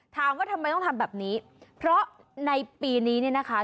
ถามว่าทำไมต้องทำแบบนี้เพราะในปีนี้เนี่ยนะคะ